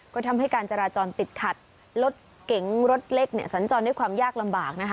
ก็ทำให้จราจรติดขัดของแบบลดเก๋งลดเล็กสันจรได้ความยากลำบาก